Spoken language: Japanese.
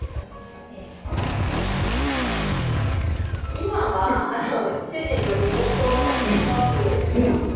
今は主人のリモートワークの場所。